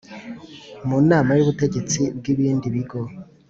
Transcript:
mu Nama y Ubutegetsi bw ibindi bigo